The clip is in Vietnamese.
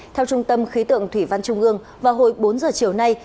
theo trung tâm khí tượng thủy văn trung ương vào hồi bốn giờ chiều nay